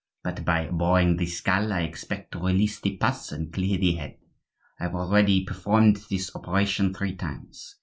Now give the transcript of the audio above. But by boring the skull I expect to release the pus and clear the head. I have already performed this operation three times.